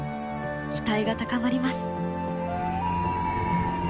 期待が高まります！